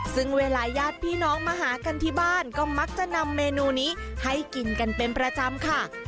ซึ่งเวลาญาติพี่น้องมาหากันที่บ้านก็มักจะนำเมนูนี้ให้กินกันเป็นประจำค่ะ